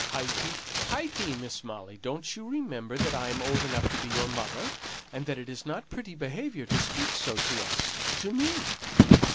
"Heighty teighty! Miss Molly! don't you remember that I am old enough to be your mother, and that it is not pretty behaviour to speak so to us to me!